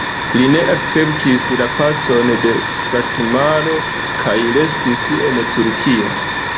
Li ne akceptis la pacon de Satmaro kaj restis en Turkio.